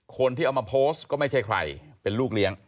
คนที่เอามาโพสต์ก็ไม่ใช่ใครเป็นลูกเลี้ยง